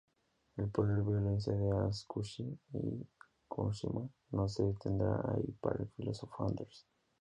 El poder-violencia de Auschwitz y Hiroshima no se detendrá allí para el filósofo Anders.